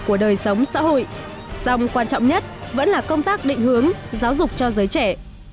của đời sống xã hội song quan trọng nhất vẫn là công tác định hướng giáo dục cho giới trẻ